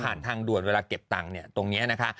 ผ่านทางด่วนเวลาเก็บตังค์เนี่ยตรงนี้นะคะ